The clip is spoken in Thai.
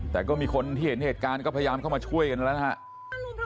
แต่ก็มีคนที่เห็นเหตุการณ์ก็พยายามเข้ามาช่วยกันแล้วนะครับ